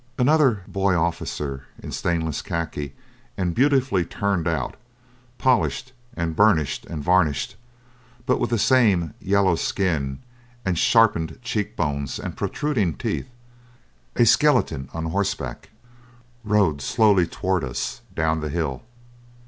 Another boy officer in stainless khaki and beautifully turned out, polished and burnished and varnished, but with the same yellow skin and sharpened cheek bones and protruding teeth, a skeleton on horseback, rode slowly toward us down the hill.